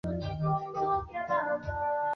Mweza yote.